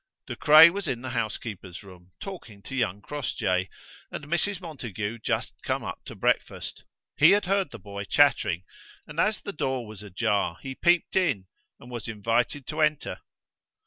De Craye was in the housekeeper's room, talking to young Crossjay, and Mrs. Montague just come up to breakfast. He had heard the boy chattering, and as the door was ajar he peeped in, and was invited to enter.